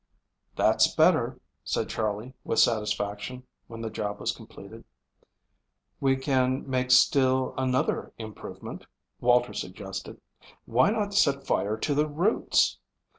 "That's better," said Charley, with satisfaction when the job was completed. "We can make still another improvement," Walter suggested. "Why not set fire to the roots?